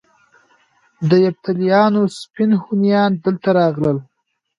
د یفتلیانو سپین هونیان دلته راغلل